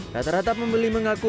rata rata pembeli mengaku